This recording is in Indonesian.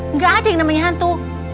nggak ada yang namanya hantu